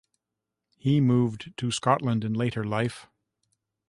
He moved to Scotland in later life.